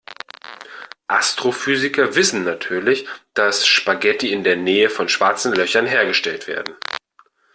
Astrophysiker wissen natürlich, dass Spaghetti in der Nähe von Schwarzen Löchern hergestellt werden.